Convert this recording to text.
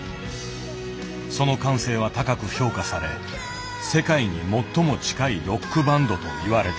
その感性は高く評価され「世界に最も近いロックバンド」といわれた。